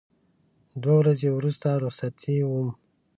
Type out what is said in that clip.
دوه ورځې وروسته رخصتي وه.